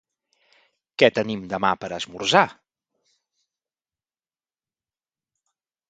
Què tenim demà per esmorzar?